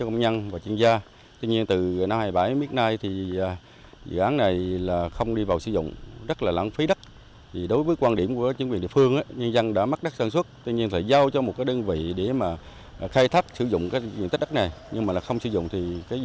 nhưng mà không sử dụng thì diện tích đất này lãng phí